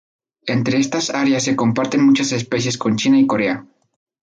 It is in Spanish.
Entre estas áreas se comparten muchas especies con China y Corea.